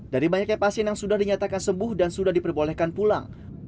dari banyaknya pasien yang sudah dinyatakan sembuh dan sudah diperbolehkan pulang